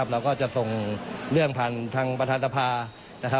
เราก็จะส่งเรื่องผ่านทางประธานสภา